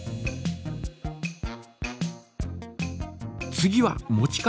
次は持ち方。